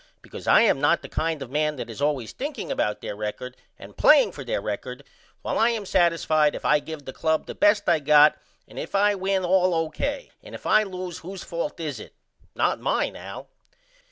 because I am not the kind of man that is always thinking about there record and playing for there record while I am satisfied if I give the club the best I got and if I win all O.K. And if I lose who's fault is it. Not mine Al.